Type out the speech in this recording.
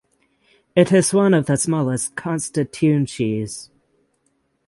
It is one of the smallest constituencies.